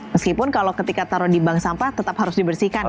meskipun kalau ketika taruh di bank sampah tetap harus dibersihkan ya